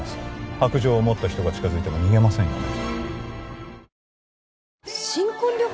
白杖を持った人が近づいても逃げませんよね？